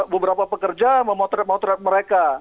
beberapa pekerja memotret motret mereka